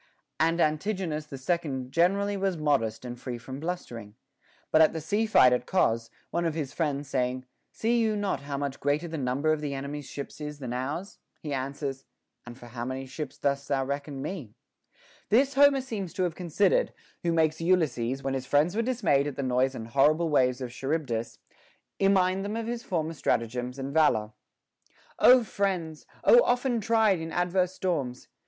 And Antigonus the Second generally was modest and free from blustering ; but at the sea fight at Cos, — one of his friends saying, See you not how much greater the number of the enemy's ships is than ours ?— he answers, And for how many ships dost thou reckon me ?* II. I. 260. + II. VI. 127. 320 HOW A MAN MAY PRAISE HIMSELF This Homer seems to have considered, who makes Ulysses, when his friends were dismayed at the noise and horrible waves of Charybdis, immind them of his former stratagems and valor : O friends ! Ο often tried in adverse storms